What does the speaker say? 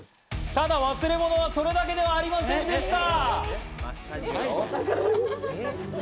ただ忘れ物はそれだけではありませんでした！